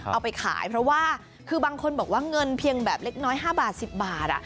เอาไปขายเพราะว่าคือบางคนบอกว่าเงินเพียงแบบเล็กน้อย๕บาท๑๐บาท